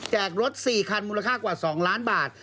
รถ๔คันมูลค่ากว่า๒ล้านบาท